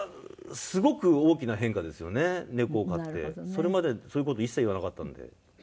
それまではそういう事一切言わなかったので。